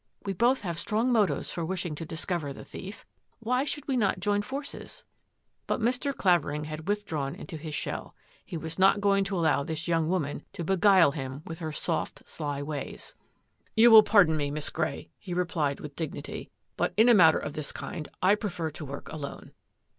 We both have strong motives for wishing to dis cover the thief. Why should we not join forces? " But Mr. Clavering had withdrawn into his shell. He was not going to allow this young woman to beguile him with her soft, sly ways. 40 THAT AFFAIR AT THE MANOR "You wiU pardon me, Miss Grey," he replied with dignity, " but in a matter of this kind I prefer to work alone."